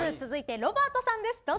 続いてロバートさんです。